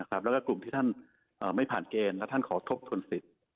แล้วก็กลุ่มที่ท่านไม่ผ่านเกณฑ์และท่านขอทบทวนสิทธิ์